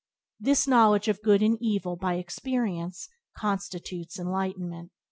This knowledge of good and evil by experience constitutes enlightenment.